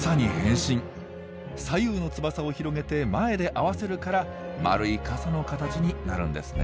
左右の翼を広げて前で合わせるから丸い傘の形になるんですね。